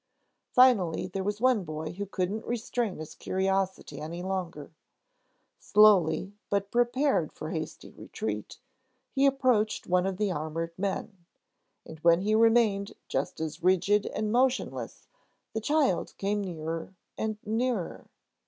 Finally, there was one boy who couldn't restrain his curiosity any longer. Slowly, but prepared for hasty retreat, he approached one of the armored men; and when he remained just as rigid and motionless, the child came nearer and nearer.